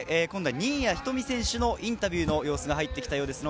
今度は新谷仁美選手のインタビューの様子が入ってきました。